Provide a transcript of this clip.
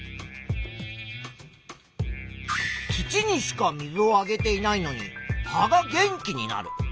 土にしか水をあげていないのに葉が元気になる。